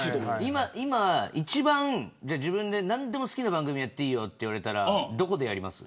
今一番、自分で何でも好きな番組やっていいよと言われたら、どこでやります。